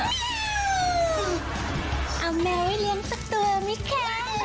เอาแมวไว้เลี้ยงสักตัวไหมคะ